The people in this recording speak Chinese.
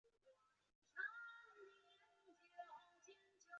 古九寒更发现武功高强的石榴样貌一样。